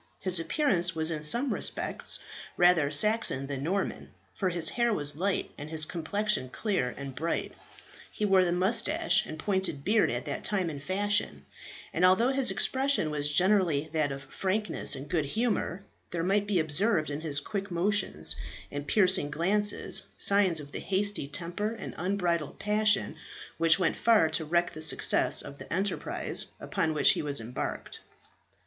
His appearance was in some respects rather Saxon than Norman, for his hair was light and his complexion clear and bright. He wore the moustache and pointed beard at that time in fashion; and although his expression was generally that of frankness and good humour, there might be observed in his quick motions and piercing glances signs of the hasty temper and unbridled passion which went far to wreck the success of the enterprise upon which he was embarked.